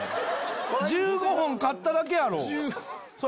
１５本買っただけやろ。